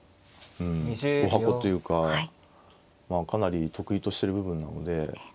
うんおはこというかかなり得意としてる部分なので。